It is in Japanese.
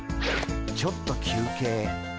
ちょっと休憩。